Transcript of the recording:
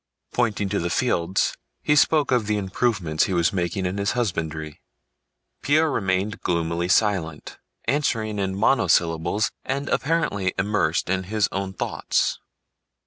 Pointing to the fields, he spoke of the improvements he was making in his husbandry. Pierre remained gloomily silent, answering in monosyllables and apparently immersed in his own thoughts.